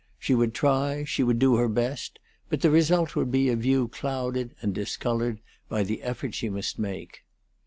She would try, she would do her best, but the result would be a view clouded and discolored by the effort she must make.